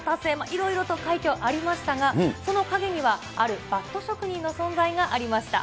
いろいろと快挙ありましたが、その陰には、あるバット職人の存在がありました。